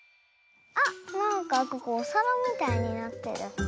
あっなんかここおさらみたいになってる。